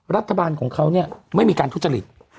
รัฐบาลของเขาเนี่ยไม่มีการทุจริต